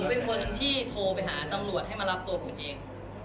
เป็นคนที่โทรไปหาตำรวจให้มารับตัวผมเอง